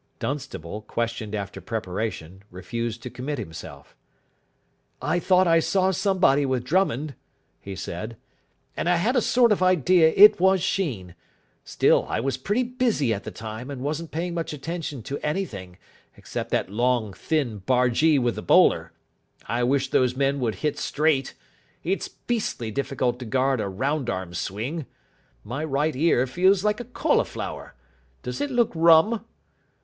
Dunstable, questioned after preparation, refused to commit himself. "I thought I saw somebody with Drummond," he said, "and I had a sort of idea it was Sheen. Still, I was pretty busy at the time, and wasn't paying much attention to anything, except that long, thin bargee with the bowler. I wish those men would hit straight. It's beastly difficult to guard a round arm swing. My right ear feels like a cauliflower. Does it look rum?"